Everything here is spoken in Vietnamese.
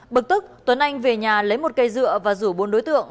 bực tức tuấn anh về nhà lấy một cây dựa và rủ bốn đối tượng